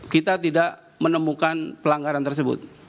kita tidak menemukan pelanggaran tersebut